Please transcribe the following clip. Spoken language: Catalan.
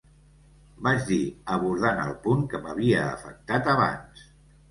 Vaig dir, abordant el punt que m'havia afectat abans.